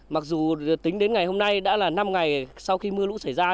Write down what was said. mặc dù tính đến ngày hôm nay đã là năm ngày sau khi mưa lũ xảy ra